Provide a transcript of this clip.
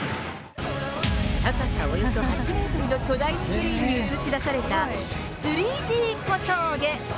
高さおよそ８メートルの巨大スクリーンに映し出された３Ｄ小峠。